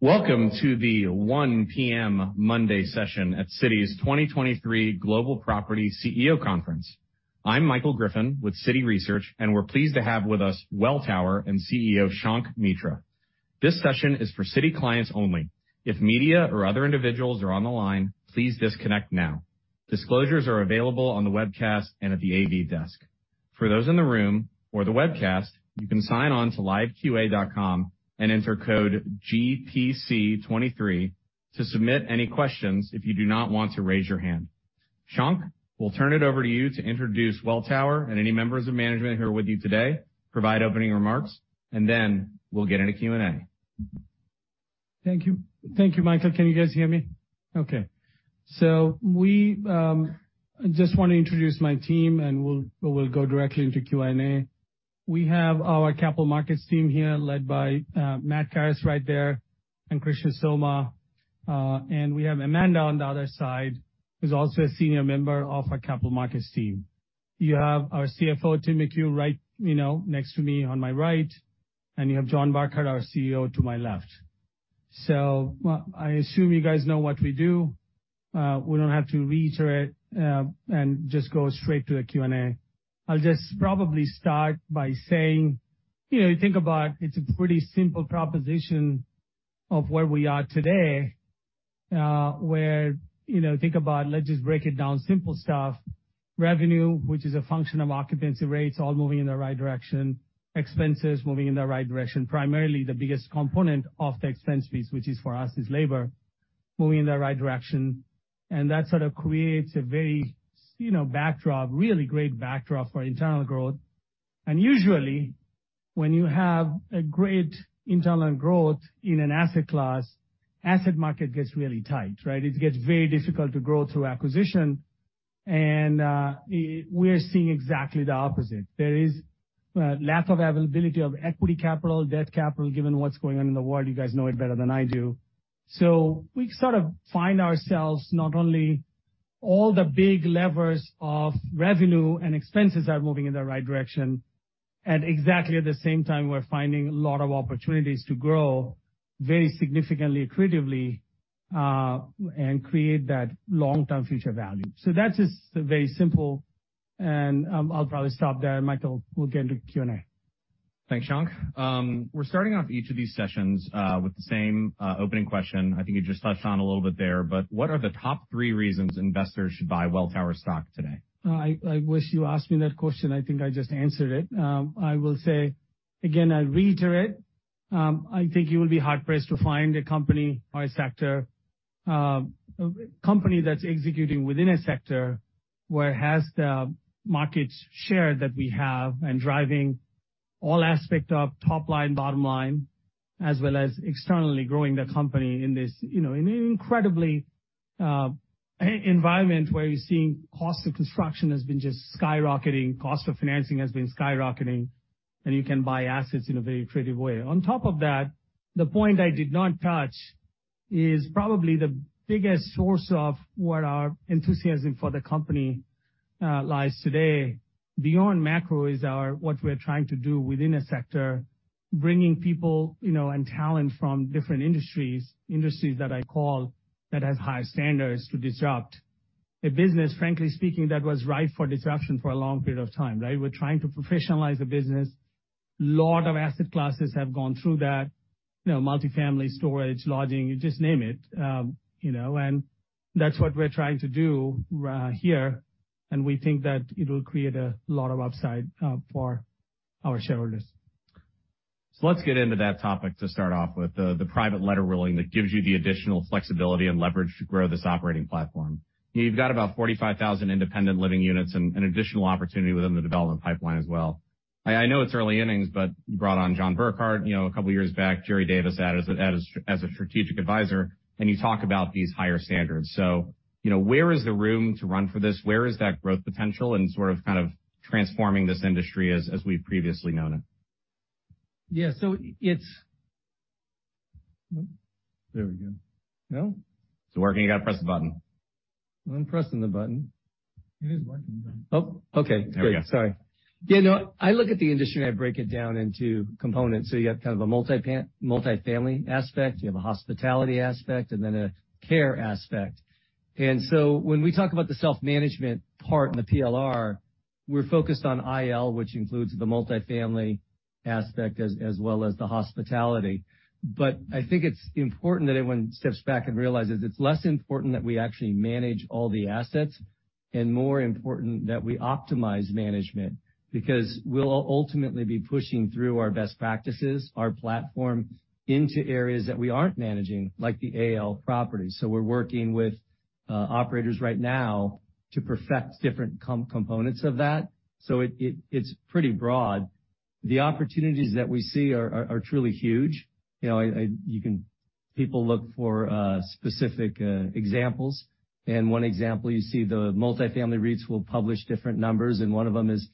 Welcome to the 1:00 P.M. Monday session at Citi's 2023 Global Property CEO Conference. I'm Michael Griffin with Citi Research, and we're pleased to have with us Welltower and CEO Shankh Mitra. This session is for Citi clients only. If media or other individuals are on the line, please disconnect now. Disclosures are available on the webcast and at the AV desk. For those in the room or the webcast, you can sign on to liveqa.com and enter code GPC23 to submit any questions if you do not want to raise your hand. Shankh, we'll turn it over to you to introduce Welltower and any members of management who are with you today, provide opening remarks, and then we'll get into Q&A. Thank you. Thank you, Michael. Can you guys hear me? Okay. So we just want to introduce my team, and we'll go directly into Q&A. We have our capital markets team here led by Matt Carrus right there and Krishna Soma. And we have Amanda on the other side, who's also a senior member of our capital markets team. You have our CFO, Tim McHugh, right next to me on my right, and you have John Burkart, our COO, to my left. So I assume you guys know what we do. We don't have to reiterate and just go straight to the Q&A. I'll just probably start by saying, you think about it's a pretty simple proposition of where we are today, where think about let's just break it down, simple stuff. Revenue, which is a function of occupancy rates, all moving in the right direction. Expenses moving in the right direction. Primarily, the biggest component of the expense piece, which is for us, is labor, moving in the right direction, and that sort of creates a very backdrop, really great backdrop for internal growth, and usually, when you have a great internal growth in an asset class, the asset market gets really tight, right? It gets very difficult to grow through acquisition, and we're seeing exactly the opposite. There is a lack of availability of equity capital, debt capital, given what's going on in the world. You guys know it better than I do, so we sort of find ourselves not only all the big levers of revenue and expenses are moving in the right direction, at exactly the same time, we're finding a lot of opportunities to grow very significantly, creatively, and create that long-term future value, so that's just very simple. And I'll probably stop there. Michael, we'll get into Q&A. Thanks, Shankh. We're starting off each of these sessions with the same opening question. I think you just touched on a little bit there, but what are the top three reasons investors should buy Welltower stock today? I wish you asked me that question. I think I just answered it. I will say, again, I reiterate, I think you will be hard-pressed to find a company or a sector, a company that's executing within a sector where it has the market share that we have and driving all aspects of top line, bottom line, as well as externally growing the company in this incredible environment where you're seeing cost of construction has been just skyrocketing, cost of financing has been skyrocketing, and you can buy assets in a very creative way. On top of that, the point I did not touch is probably the biggest source of where our enthusiasm for the company lies today. Beyond macro is what we're trying to do within a sector, bringing people and talent from different industries, industries that I call that has high standards to disrupt a business, frankly speaking, that was ripe for disruption for a long period of time, right? We're trying to professionalize the business. A lot of asset classes have gone through that, multifamily storage, lodging, you just name it. And that's what we're trying to do here. And we think that it will create a lot of upside for our shareholders. So let's get into that topic to start off with, the private letter ruling that gives you the additional flexibility and leverage to grow this operating platform. You've got about 45,000 independent living units and additional opportunity within the development pipeline as well. I know it's early innings, but you brought on John Burkart a couple of years back, Jerry Davis as a strategic advisor, and you talk about these higher standards. So where is the room to run for this? Where is that growth potential and sort of kind of transforming this industry as we've previously known it? Yeah, so it's there we go. Is it working? You got to press the button. I'm pressing the button. It is working. Oh, okay. There we go. Sorry. Yeah, no, I look at the industry, I break it down into components, so you got kind of a multifamily aspect, you have a hospitality aspect, and then a care aspect, and so when we talk about the self-management part in the PLR, we're focused on IL, which includes the multifamily aspect as well as the hospitality. But I think it's important that everyone steps back and realizes it's less important that we actually manage all the assets and more important that we optimize management because we'll ultimately be pushing through our best practices, our platform into areas that we aren't managing, like the AL properties. So we're working with operators right now to perfect different components of that, so it's pretty broad. The opportunities that we see are truly huge. People look for specific examples. One example, you see the multifamily REITs will publish different numbers, and one of them is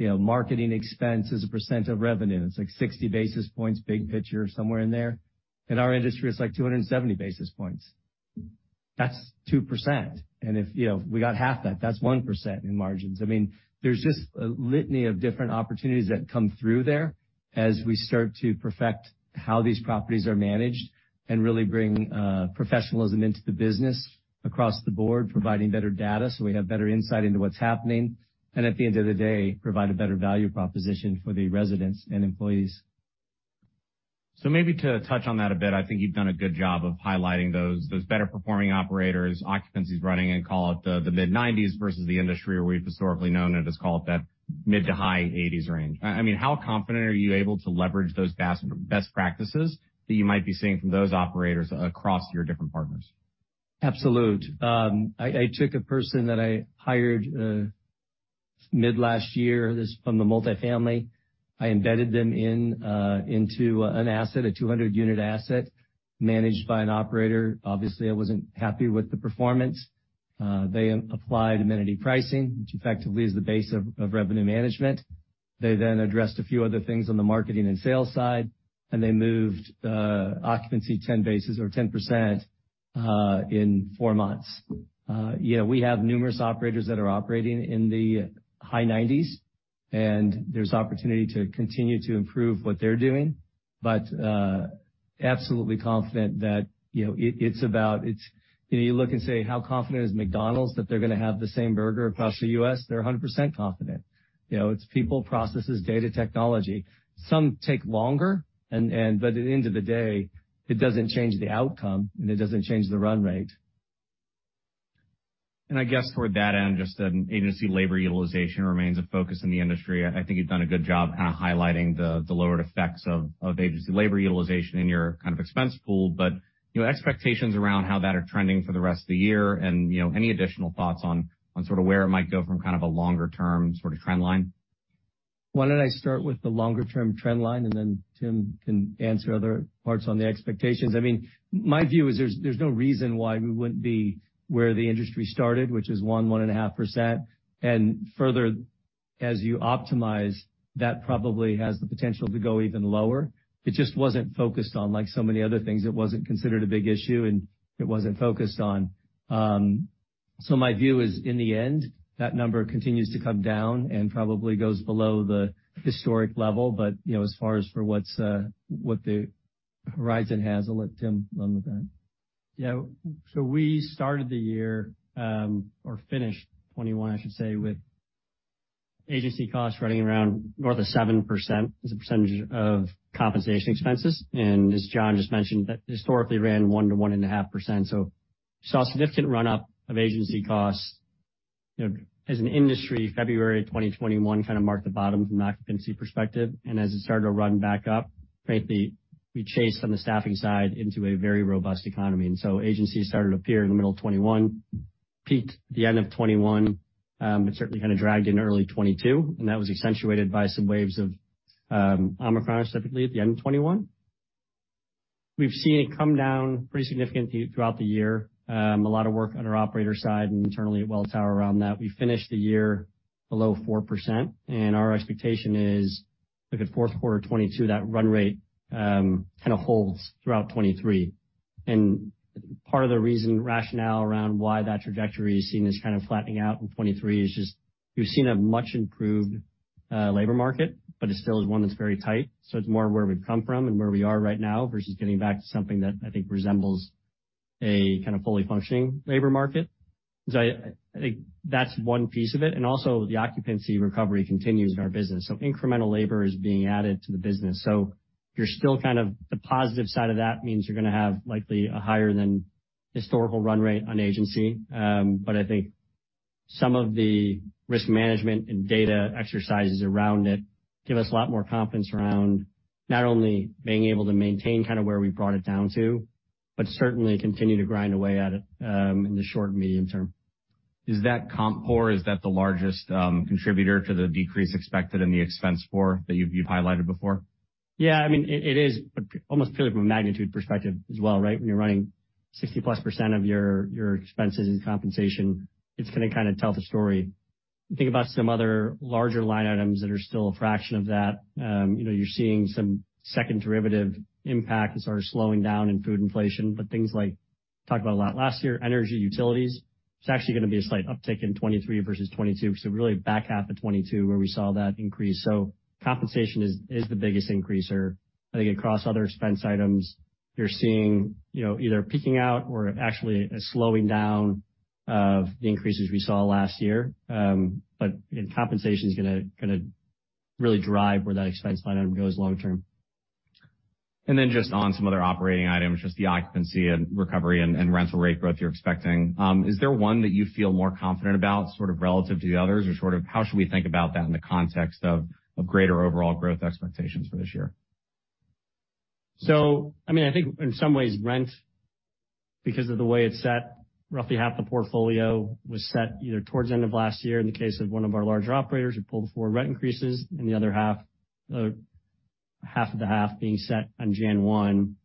marketing expense as a percent of revenue. It's like 60 basis points, big picture, somewhere in there. In our industry, it's like 270 basis points. That's 2%. And if we got half that, that's 1% in margins. I mean, there's just a litany of different opportunities that come through there as we start to perfect how these properties are managed and really bring professionalism into the business across the board, providing better data so we have better insight into what's happening. And at the end of the day, provide a better value proposition for the residents and employees. Maybe to touch on that a bit, I think you've done a good job of highlighting those better-performing operators, occupancies running in, call it the mid-90s versus the industry where we've historically known it as call it that mid to high 80s range. I mean, how confident are you able to leverage those best practices that you might be seeing from those operators across your different partners? Absolutely. I took a person that I hired mid-last year from the multifamily. I embedded them into an asset, a 200-unit asset managed by an operator. Obviously, I wasn't happy with the performance. They applied amenity pricing, which effectively is the base of revenue management. They then addressed a few other things on the marketing and sales side, and they moved occupancy 10 points or 10% in four months. We have numerous operators that are operating in the high 90s, and there's opportunity to continue to improve what they're doing, but absolutely confident that it's about you look and say, how confident is McDonald's that they're going to have the same burger across the U.S.? They're 100% confident. It's people, processes, data, technology. Some take longer, but at the end of the day, it doesn't change the outcome and it doesn't change the run rate. And I guess toward that end, just agency labor utilization remains a focus in the industry. I think you've done a good job kind of highlighting the lowered effects of agency labor utilization in your kind of expense pool, but expectations around how that are trending for the rest of the year and any additional thoughts on sort of where it might go from kind of a longer-term sort of trend line? Why don't I start with the longer-term trend line and then Tim can answer other parts on the expectations. I mean, my view is there's no reason why we wouldn't be where the industry started, which is one, one and a half %. And further, as you optimize, that probably has the potential to go even lower. It just wasn't focused on like so many other things. It wasn't considered a big issue and it wasn't focused on, so my view is in the end, that number continues to come down and probably goes below the historic level, but as far as for what the horizon has, I'll let Tim run with that. Yeah, so we started the year or finished 2021, I should say, with agency costs running around north of 7% as a percentage of compensation expenses. As John just mentioned, that historically ran 1-1.5%. We saw a significant run-up of agency costs. As an industry, February 2021 kind of marked the bottom from an occupancy perspective. As it started to run back up, frankly, we chased on the staffing side into a very robust economy. Agencies started to appear in the middle of 2021, peaked at the end of 2021, but certainly kind of dragged in early 2022. That was accentuated by some waves of Omicron, specifically at the end of 2021. We've seen it come down pretty significantly throughout the year. A lot of work on our operator side and internally at Welltower around that. We finished the year below 4%. Our expectation is look at fourth quarter 2022, that run rate kind of holds throughout 2023. Part of the reason rationale around why that trajectory is seen as kind of flattening out in 2023 is just we've seen a much improved labor market, but it still is one that's very tight. So it's more where we've come from and where we are right now versus getting back to something that I think resembles a kind of fully functioning labor market. So I think that's one piece of it. And also the occupancy recovery continues in our business. So incremental labor is being added to the business. So you're still kind of the positive side of that means you're going to have likely a higher than historical run rate on agency. But I think some of the risk management and data exercises around it give us a lot more confidence around not only being able to maintain kind of where we brought it down to, but certainly continue to grind away at it in the short and medium term. Is that RevPOR, is that the largest contributor to the decrease expected in the expense profile that you've highlighted before? Yeah, I mean, it is, but almost purely from a magnitude perspective as well, right? When you're running 60-plus% of your expenses and compensation, it's going to kind of tell the story. Think about some other larger line items that are still a fraction of that. You're seeing some second derivative impact that's already slowing down in food inflation, but things like talked about a lot last year, energy, utilities. It's actually going to be a slight uptick in 2023 versus 2022 because we're really back half of 2022 where we saw that increase. So compensation is the biggest increaser. I think across other expense items, you're seeing either peaking out or actually a slowing down of the increases we saw last year. But compensation is going to really drive where that expense line item goes long term. Then just on some other operating items, just the occupancy and recovery and rental rate growth you're expecting, is there one that you feel more confident about sort of relative to the others or sort of how should we think about that in the context of greater overall growth expectations for this year? So I mean, I think in some ways rent, because of the way it's set, roughly half the portfolio was set either towards the end of last year in the case of one of our larger operators who pulled forward rent increases and the other half, half of the half being set on January 1.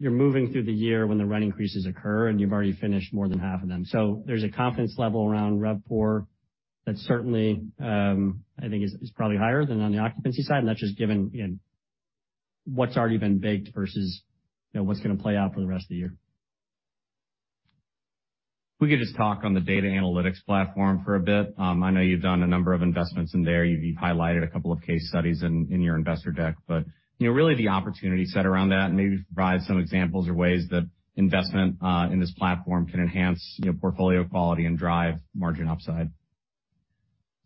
You're moving through the year when the rent increases occur and you've already finished more than half of them, so there's a confidence level around RevPOR that certainly I think is probably higher than on the occupancy side, and that's just given what's already been baked versus what's going to play out for the rest of the year. We could just talk on the data analytics platform for a bit. I know you've done a number of investments in there. You've highlighted a couple of case studies in your investor deck, but really the opportunity set around that and maybe provide some examples or ways that investment in this platform can enhance portfolio quality and drive margin upside.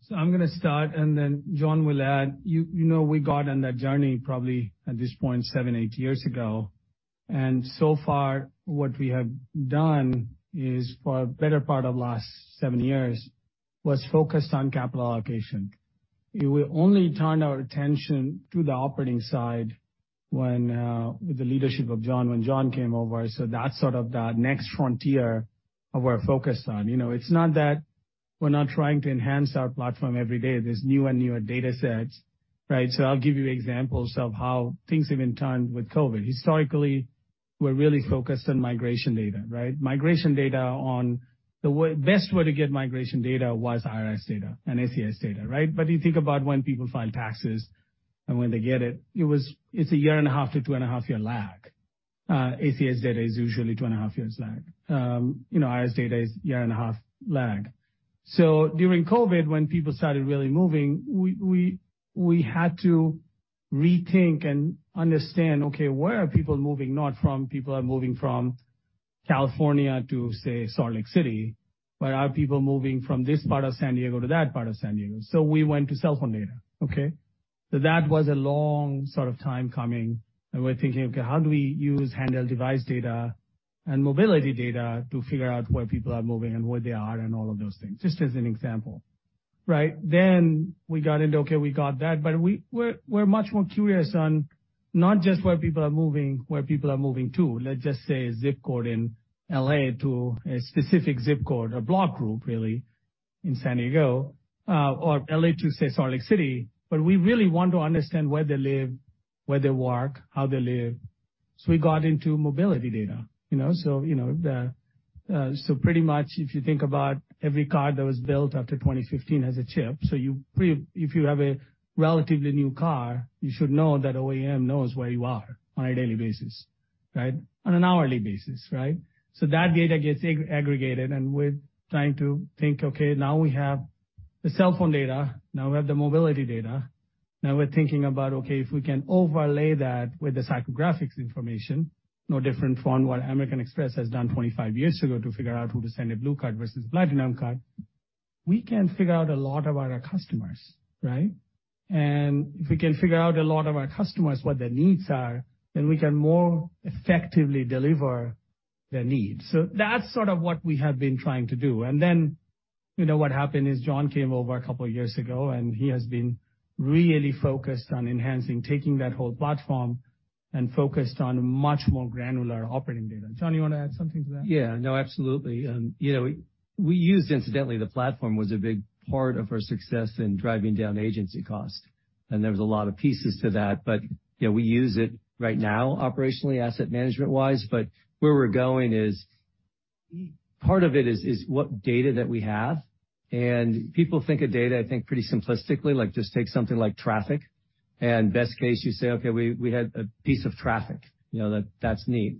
So I'm going to start and then John will add. You know we got on that journey probably at this point seven, eight years ago. And so far what we have done is for a better part of the last seven years was focused on capital allocation. We only turned our attention to the operating side with the leadership of John when John came over. So that's sort of the next frontier of where we're focused on. It's not that we're not trying to enhance our platform every day. There's new and newer data sets, right? So I'll give you examples of how things have been turned with COVID. Historically, we're really focused on migration data, right? Migration data on the best way to get migration data was IRS data and ACS data, right? You think about when people file taxes and when they get it, it's a year and a half to two and a half year lag. ACS data is usually two and a half years lag. IRS data is a year and a half lag. During COVID, when people started really moving, we had to rethink and understand, okay, where are people moving not from people are moving from California to, say, Salt Lake City, but are people moving from this part of San Diego to that part of San Diego? We went to cell phone data, okay? That was a long sort of time coming. We're thinking, okay, how do we use handheld device data and mobility data to figure out where people are moving and where they are and all of those things? Just as an example, right? Then we got into, okay, we got that, but we're much more curious on not just where people are moving, where people are moving to. Let's just say ZIP code in LA to a specific ZIP code, a block group really in San Diego or LA to, say, Salt Lake City, but we really want to understand where they live, where they work, how they live. So we got into mobility data. So pretty much if you think about every car that was built after 2015 has a chip. So if you have a relatively new car, you should know that OEM knows where you are on a daily basis, right? On an hourly basis, right? So that data gets aggregated. And we're trying to think, okay, now we have the cell phone data, now we have the mobility data. Now we're thinking about, okay, if we can overlay that with the psychographics information, no different from what American Express has done 25 years ago to figure out who to send a blue card versus a platinum card, we can figure out a lot about our customers, right? And if we can figure out a lot of our customers, what their needs are, then we can more effectively deliver their needs. So that's sort of what we have been trying to do. And then what happened is John came over a couple of years ago and he has been really focused on enhancing, taking that whole platform and focused on much more granular operating data. John, you want to add something to that? Yeah, no, absolutely. We used, incidentally, the platform was a big part of our success in driving down agency cost. And there was a lot of pieces to that, but we use it right now operationally, asset management-wise. But where we're going is part of it is what data that we have. And people think of data, I think pretty simplistically, like just take something like traffic. And best case, you say, okay, we had a piece of traffic. That's neat.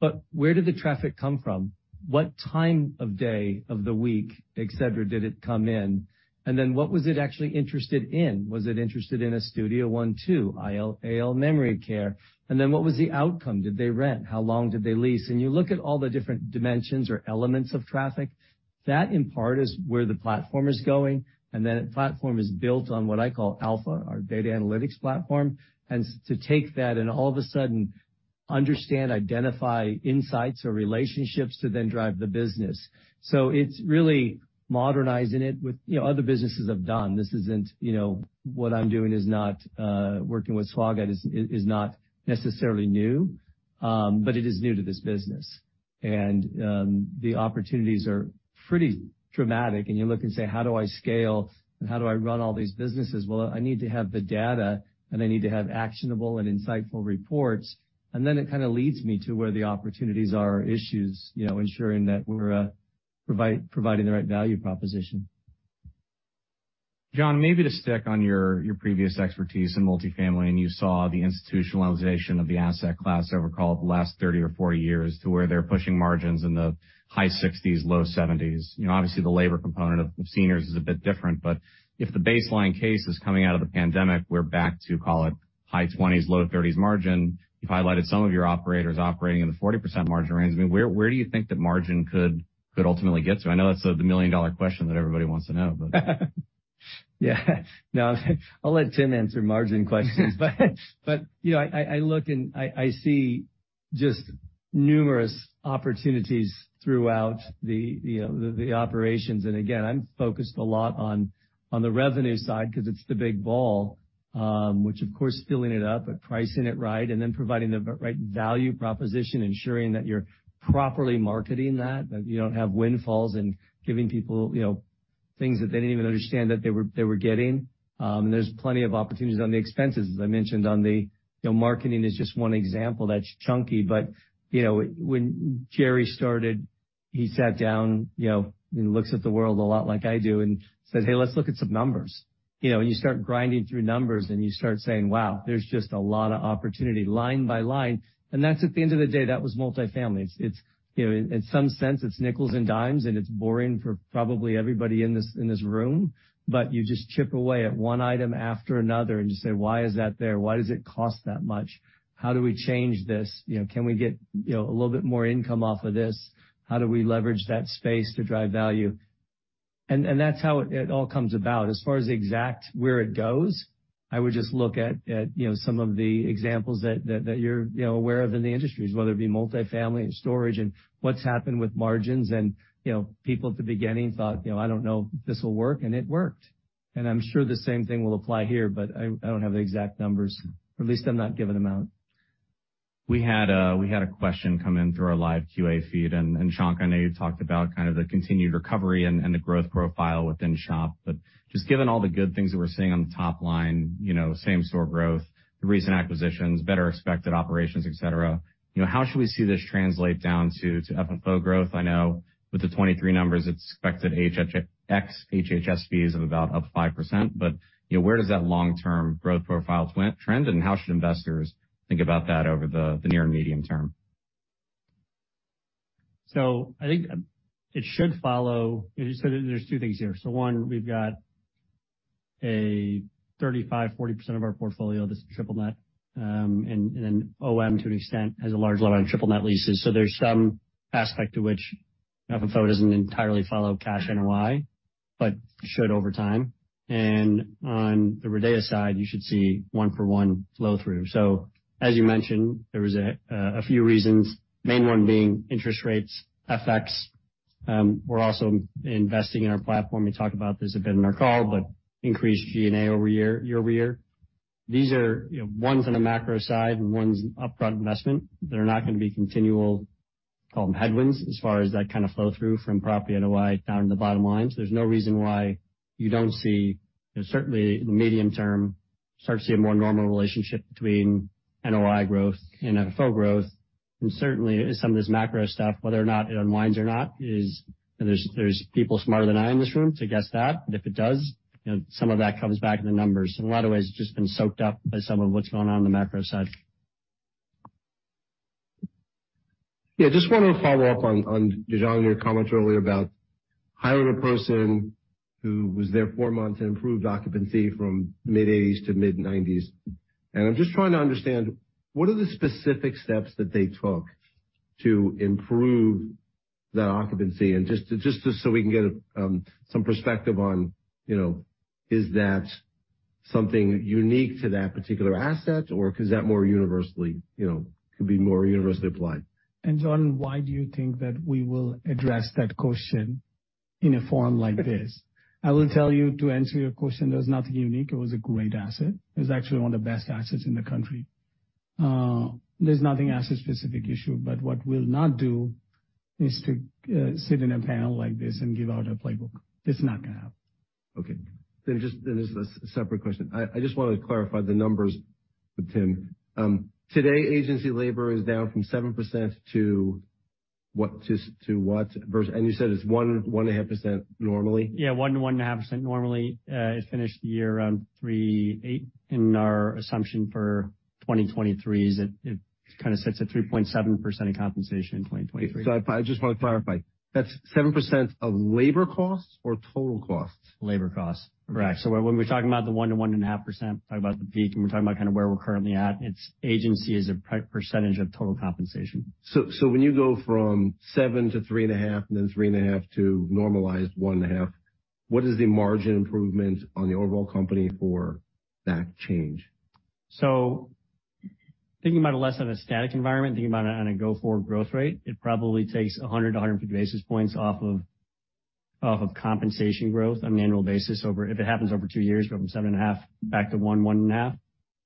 But where did the traffic come from? What time of day, day of the week, et cetera, did it come in? And then what was it actually interested in? Was it interested in a studio, one-bedroom, AL, memory care? And then what was the outcome? Did they rent? How long did they lease? And you look at all the different dimensions or elements of traffic, that in part is where the platform is going. And then the platform is built on what I call Alpha, our data analytics platform. And to take that and all of a sudden understand, identify insights or relationships to then drive the business. So it's really modernizing it with other businesses have done. This isn't what I'm doing is not working with SWAG is not necessarily new, but it is new to this business. And the opportunities are pretty dramatic. And you look and say, how do I scale and how do I run all these businesses? Well, I need to have the data and I need to have actionable and insightful reports. And then it kind of leads me to where the opportunities are or issues, ensuring that we're providing the right value proposition. John, maybe to stick on your previous expertise in multifamily and you saw the institutionalization of the asset class over, call it, the last 30 or 40 years to where they're pushing margins in the high 60s, low 70s. Obviously, the labor component of seniors is a bit different, but if the baseline case is coming out of the pandemic, we're back to, call it, high 20s, low 30s margin. You've highlighted some of your operators operating in the 40% margin range. I mean, where do you think that margin could ultimately get to? I know that's the million-dollar question that everybody wants to know, but. Yeah. No, I'll let Tim answer margin questions. But I look and I see just numerous opportunities throughout the operations. And again, I'm focused a lot on the revenue side because it's the big ball, which of course filling it up, but pricing it right and then providing the right value proposition, ensuring that you're properly marketing that, that you don't have windfalls and giving people things that they didn't even understand that they were getting. And there's plenty of opportunities on the expenses, as I mentioned on the marketing is just one example that's chunky. But when Jerry started, he sat down, looks at the world a lot like I do and said, hey, let's look at some numbers. And you start grinding through numbers and you start saying, wow, there's just a lot of opportunity line by line. And that's at the end of the day, that was multifamily. In some sense, it's nickels and dimes and it's boring for probably everybody in this room, but you just chip away at one item after another and just say, why is that there? Why does it cost that much? How do we change this? Can we get a little bit more income off of this? How do we leverage that space to drive value? And that's how it all comes about. As far as exact where it goes, I would just look at some of the examples that you're aware of in the industries, whether it be multifamily and storage and what's happened with margins. And people at the beginning thought, I don't know if this will work and it worked. And I'm sure the same thing will apply here, but I don't have the exact numbers. At least I'm not giving them out. We had a question come in through our live QA feed, and Shankh, I know you talked about kind of the continued recovery and the growth profile within SHOP, but just given all the good things that we're seeing on the top line, same store growth, the recent acquisitions, better expected operations, etc, how should we see this translate down to FFO growth? I know with the 2023 numbers, it's expected same-store SHOPs of about up 5%, but where does that long-term growth profile trend and how should we think about that over the near and medium term? So I think it should follow. So there's two things here. So one, we've got 35%-40% of our portfolio that's triple-net. And then OM to an extent has a large level on triple-net leases. So there's some aspect to which FFO doesn't entirely follow cash NOI, but should over time. And on the RIDEA side, you should see one-for-one flow through. So as you mentioned, there was a few reasons, main one being interest rates, FX. We're also investing in our platform. We talked about this a bit in our call, but increased G&A over year over year. These are ones on the macro side and ones upfront investment that are not going to be continual, call them headwinds as far as that kind of flow through from property NOI down to the bottom lines. There's no reason why you don't see certainly in the medium term, start to see a more normal relationship between NOI growth and FFO growth. And certainly some of this macro stuff, whether or not it unwinds or not, is. There's people smarter than I in this room to guess that. But if it does, some of that comes back in the numbers. So in a lot of ways, it's just been soaked up by some of what's going on on the macro side. Yeah, just want to follow up on your comments earlier about hiring a person who was there four months and improved occupancy from mid-80s to mid-90s. I'm just trying to understand what are the specific steps that they took to improve that occupancy and just so we can get some perspective on is that something unique to that particular asset or is that more universally could be more universally applied? And John, why do you think that we will address that question in a forum like this? I will tell you, to answer your question, there was nothing unique. It was a great asset. It was actually one of the best assets in the country. There's no asset-specific issue, but what we'll not do is to sit in a panel like this and give out a playbook. It's not going to happen. Okay. Then just a separate question. I just want to clarify the numbers with Tim. Today, agency labor is down from 7% to what? And you said it's 1%-1.5% normally? Yeah, 1%-1.5% normally. It finished the year around 3.8% in our assumption for 2023. It kind of sits at 3.7% of compensation in 2023. So I just want to clarify. That's 7% of labor costs or total costs? Labor costs. Correct. So when we're talking about the 1-1.5%, we're talking about the peak and we're talking about kind of where we're currently at. It's agency as a percentage of total compensation. So when you go from 7-3.5 and then 3.5 to normalized 1.5, what is the margin improvement on the overall company for that change? Thinking about it less on a static environment, thinking about it on a go-forward growth rate, it probably takes 100-150 basis points off of compensation growth on an annual basis over if it happens over two years, go from 7.5 back to one, 1.5,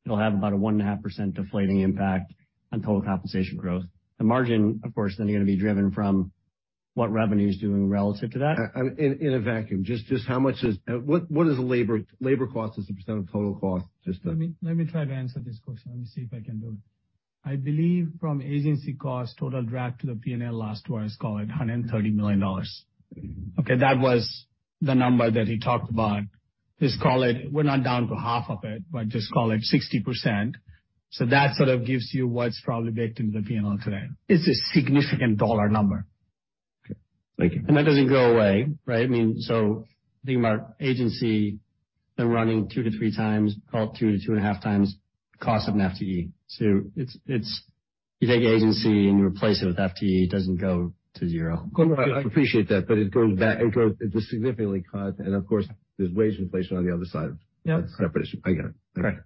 it'll have about a 1.5% deflating impact on total compensation growth. The margin, of course, then going to be driven from what revenue is doing relative to that. In a vacuum, just how much is labor cost as a % of total cost? Just. Let me try to answer this question. Let me see if I can do it. I believe from agency costs, total drag to the P&L last two quarters cost $130 million. Okay. That was the number that he talked about. Just call it we're not down to half of it, but just call it 60%. So that sort of gives you what's probably baked into the P&L today. It's a significant dollar number. That doesn't go away, right? I mean, so thinking about agency and running two to three times, call it two to two and a half times cost of an FTE. You take agency and you replace it with FTE, it doesn't go to zero. I appreciate that, but it goes back. It's a significant cut, and of course, there's wage inflation on the other side. That's separate. I get it. Correct.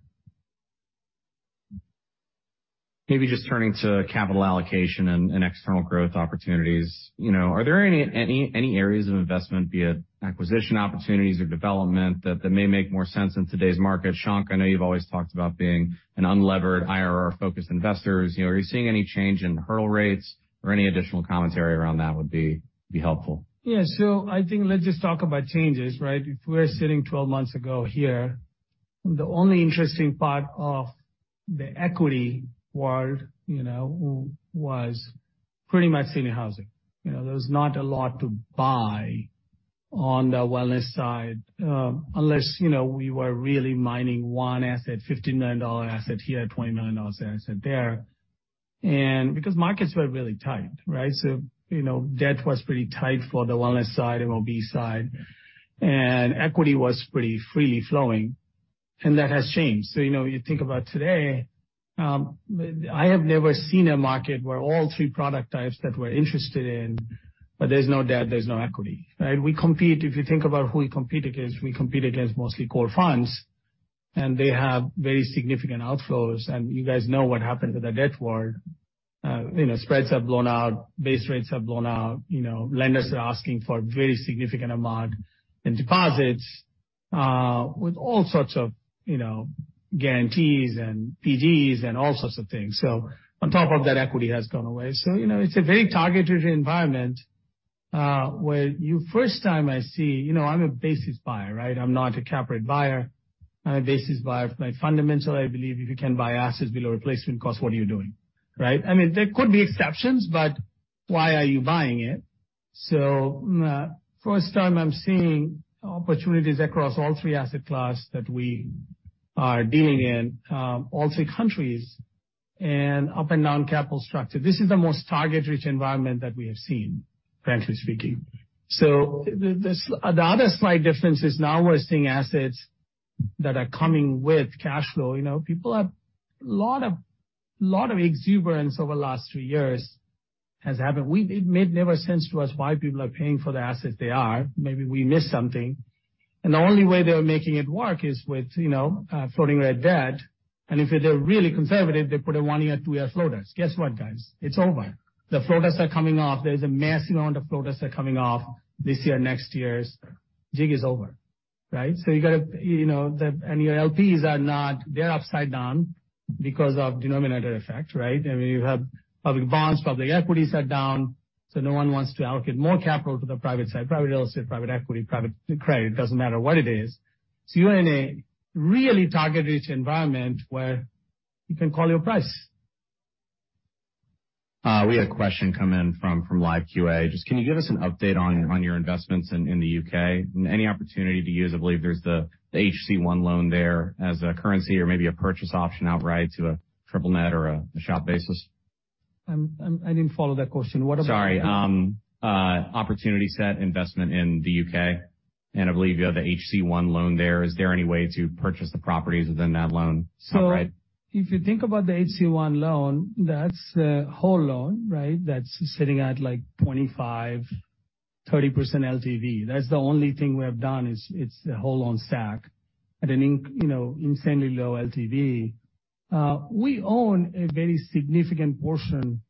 Maybe just turning to capital allocation and external growth opportunities. Are there any areas of investment, be it acquisition opportunities or development that may make more sense in today's market? Shankh, I know you've always talked about being an unlevered IRR-focused investors. Are you seeing any change in hurdle rates or any additional commentary around that would be helpful? Yeah. So I think let's just talk about changes, right? If we're sitting 12 months ago here, the only interesting part of the equity world was pretty much senior housing. There was not a lot to buy on the wellness side unless we were really mining one asset, $15 million asset here, $20 million asset there. And because markets were really tight, right? So debt was pretty tight for the wellness side and MOB side. And equity was pretty freely flowing. And that has changed. So you think about today, I have never seen a market where all three product types that we're interested in, but there's no debt, there's no equity, right? If you think about who we compete against, we compete against mostly core funds. And they have very significant outflows. And you guys know what happened with the debt world. Spreads have blown out, base rates have blown out. Lenders are asking for a very significant amount in deposits with all sorts of guarantees and PDs and all sorts of things. So on top of that, equity has gone away. So it's a very targeted environment where for the first time I see, I'm a basis buyer, right? I'm not a cap rate buyer. I'm a basis buyer from my fundamentals. I believe if you can buy assets below replacement cost, what are you doing, right? I mean, there could be exceptions, but why are you buying it? So for the first time I'm seeing opportunities across all three asset classes that we are dealing in, all three countries and up and down capital structure. This is the most target-rich environment that we have seen, frankly speaking. So the other slight difference is now we're seeing assets that are coming with cash flow. People have a lot of exuberance over the last three years has happened. It never made sense to us why people are paying for the assets they are. Maybe we missed something, and the only way they're making it work is with floating rate debt, and if they're really conservative, they put a one-year, two-year floaters. Guess what, guys? It's over. The floaters are coming off. There's a massive amount of floaters that are coming off this year, next year. The jig is over, right, so you got to and your LPs, they're not, they're upside down because of denominator effect, right? I mean, you have public bonds, public equities are down. So no one wants to allocate more capital to the private side, private real estate, private equity, private credit. It doesn't matter what it is, so you're in a really target-rich environment where you can call your price. We had a question come in from Live QA. Just can you give us an update on your investments in the U.K.? Any opportunity to use I believe there's the HC-One loan there as a currency or maybe a purchase option outright to a triple net or a shop basis? I didn't follow that question. What about? Sorry. Opportunity set investment in the UK. And I believe you have the HC-One loan there. Is there any way to purchase the properties within that loan outright? If you think about the HC-One loan, that's the whole loan, right? That's sitting at like 25%-30% LTV. That's the only thing we have done is it's the whole loan stack at an insanely low LTV. We own a very significant portion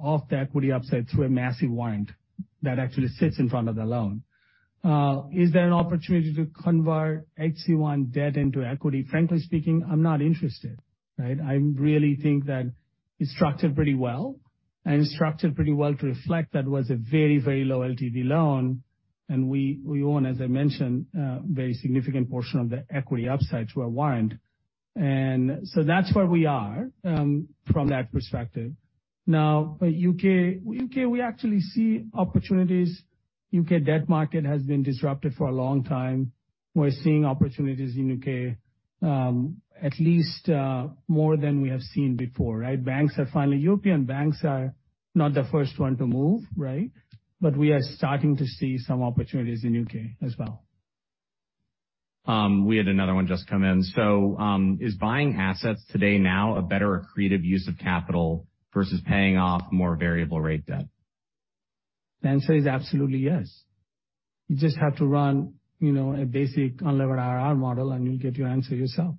of the equity upside through a massive warrant that actually sits in front of the loan. Is there an opportunity to convert HC-One debt into equity? Frankly speaking, I'm not interested, right? I really think that it's structured pretty well. And it's structured pretty well to reflect that was a very, very low LTV loan. And we own, as I mentioned, a very significant portion of the equity upside to a warrant. And so that's where we are from that perspective. Now, UK, we actually see opportunities. UK debt market has been disrupted for a long time. We're seeing opportunities in U.K., at least more than we have seen before, right? Banks are finally. European banks are not the first ones to move, right, but we are starting to see some opportunities in U.K. as well. We had another one just come in. So is buying assets today now a better accretive use of capital versus paying off more variable rate debt? The answer is absolutely yes. You just have to run a basic unlevered IRR model and you'll get your answer yourself.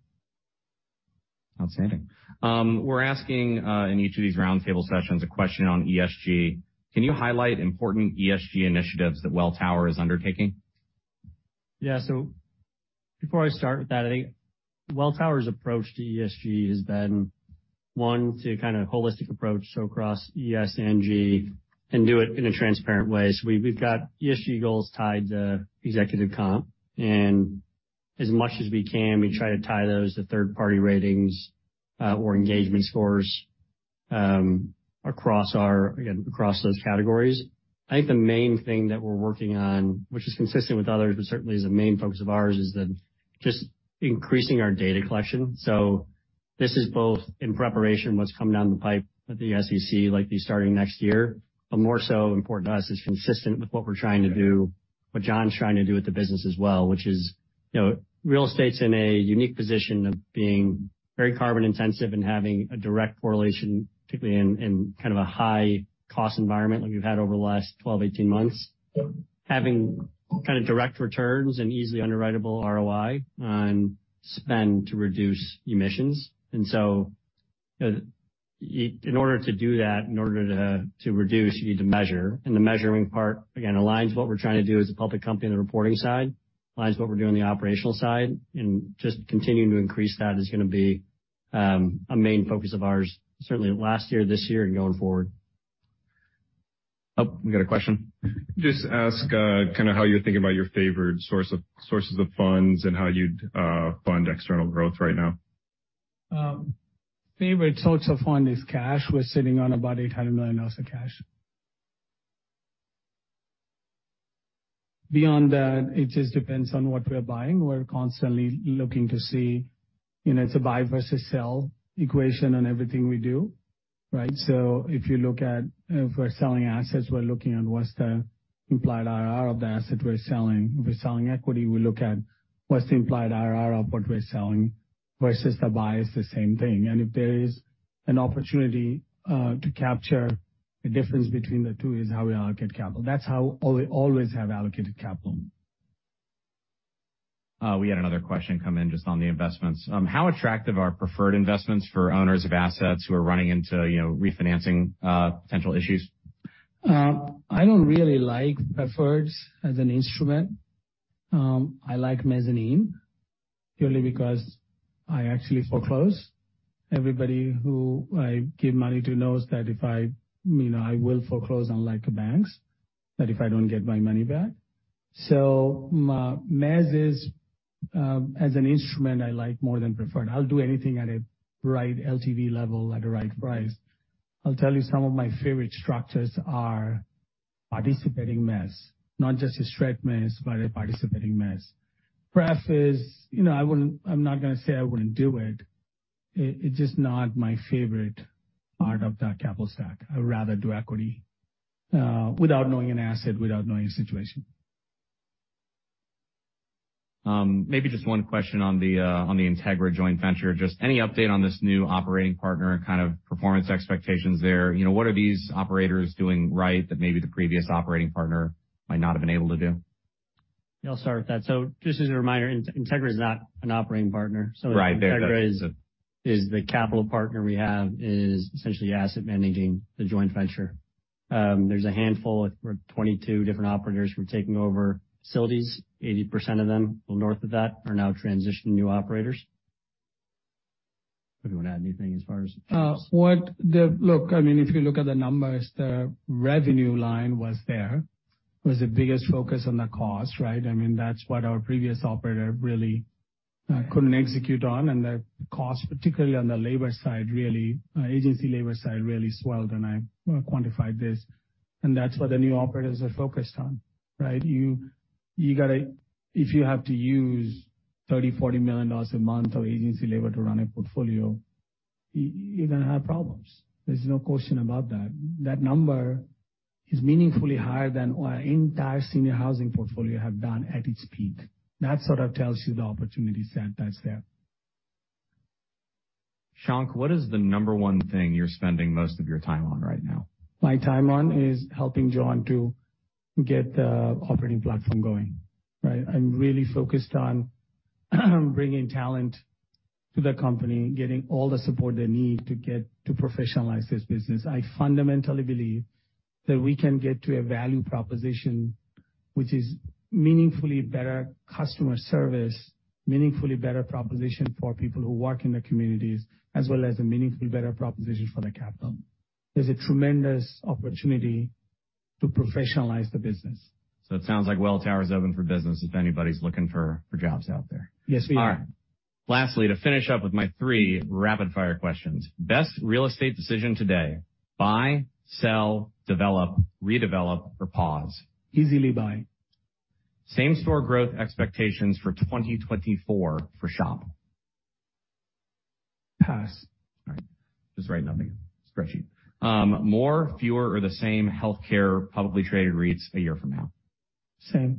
Outstanding. We're asking in each of these roundtable sessions a question on ESG. Can you highlight important ESG initiatives that Welltower is undertaking? Yeah. So before I start with that, I think Welltower's approach to ESG has been one to kind of holistic approach across ES and G and do it in a transparent way. So we've got ESG goals tied to executive comp. And as much as we can, we try to tie those to third-party ratings or engagement scores across those categories. I think the main thing that we're working on, which is consistent with others, but certainly is a main focus of ours, is just increasing our data collection. So this is both in preparation what's coming down the pipe at the SEC, like these starting next year, but more so important to us is consistent with what we're trying to do, what John's trying to do with the business as well, which is real estate's in a unique position of being very carbon intensive and having a direct correlation, particularly in kind of a high-cost environment like we've had over the last 12-18 months, having kind of direct returns and easily under writable ROI on spend to reduce emissions. And so in order to do that, in order to reduce, you need to measure. And the measuring part, again, aligns what we're trying to do as a public company on the reporting side, aligns what we're doing on the operational side. Just continuing to increase that is going to be a main focus of ours, certainly last year, this year, and going forward. Oh, we got a question. Just ask kind of how you're thinking about your favorite sources of funds and how you'd fund external growth right now? Favorite source of fund is cash. We're sitting on about $800 million of cash. Beyond that, it just depends on what we're buying. We're constantly looking to see it's a buy versus sell equation on everything we do, right? So if you look at if we're selling assets, we're looking at what's the implied IRR of the asset we're selling. If we're selling equity, we look at what's the implied IRR of what we're selling versus the buy is the same thing. And if there is an opportunity to capture the difference between the two is how we allocate capital. That's how we always have allocated capital. We had another question come in just on the investments. How attractive are preferred investments for owners of assets who are running into refinancing potential issues? I don't really like preferreds as an instrument. I like mezzanine purely because I actually foreclose. Everybody who I give money to knows that I will foreclose, unlike banks, that if I don't get my money back. So mezz as an instrument, I like more than preferred. I'll do anything at a right LTV level at a right price. I'll tell you some of my favorite structures are participating mezz, not just a straight mezz, but a participating mezz. Pref is I'm not going to say I wouldn't do it. It's just not my favorite part of that capital stack. I would rather do equity without knowing an asset, without knowing a situation. Maybe just one question on the Integra joint venture. Just any update on this new operating partner and kind of performance expectations there? What are these operators doing right that maybe the previous operating partner might not have been able to do? I'll start with that. So just as a reminder, Integra is not an operating partner. So Integra is the capital partner we have is essentially asset managing the joint venture. There's a handful of 22 different operators who are taking over facilities. 80% of them north of that are now transitioning new operators. I don't want to add anything as far as. Look, I mean, if you look at the numbers, the revenue line was there. It was the biggest focus on the cost, right? I mean, that's what our previous operator really couldn't execute on, and the cost, particularly on the labor side, really agency labor side really swelled, and I quantified this, and that's what the new operators are focused on, right? If you have to use $30-$40 million a month of agency labor to run a portfolio, you're going to have problems. There's no question about that. That number is meaningfully higher than our entire senior housing portfolio have done at its peak. That sort of tells you the opportunity set that's there. Shankh, what is the number one thing you're spending most of your time on right now? My time on this is helping John to get the operating platform going, right? I'm really focused on bringing talent to the company, getting all the support they need to get to professionalize this business. I fundamentally believe that we can get to a value proposition which is meaningfully better customer service, meaningfully better proposition for people who work in the communities, as well as a meaningfully better proposition for the capital. There's a tremendous opportunity to professionalize the business. So it sounds like Welltower is open for business if anybody's looking for jobs out there. Yes, we are. All right. Lastly, to finish up with my three rapid-fire questions. Best real estate decision today? Buy, sell, develop, redevelop, or pause? Easily buy. Same store growth expectations for 2024 for SHOP? Pass. All right. Just write nothing. Spreadsheet. More, fewer, or the same healthcare publicly traded REITs a year from now? Same.